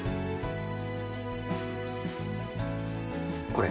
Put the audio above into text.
これ。